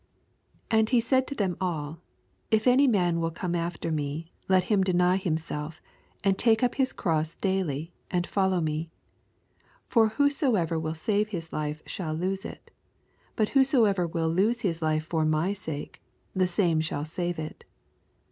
28 And he said to them all, If any man will come after me, let him deny himselfl and take up his ^oss daily, and follow me. 24 For whosoever will save his life shall lose it : but whosoever will lose his life for my sake, the same shall save it.